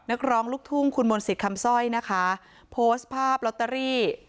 นักร้องลูกทุ่งคุณมนต์สิทธิ์คำสร้อยนะคะโพสต์ภาพลอตเตอรี่